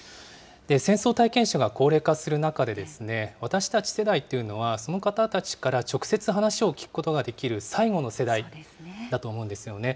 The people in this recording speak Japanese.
戦争体験者が高齢化する中で、私たち世代というのは、その方たちから直接話を聞くことができる最後の世代だと思うんですよね。